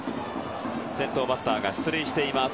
先頭バッターが出塁しています。